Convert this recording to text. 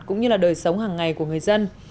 cũng như là đời sống hàng ngày của người dân